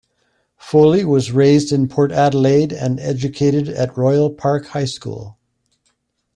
Foley was raised in Port Adelaide and educated at Royal Park High School.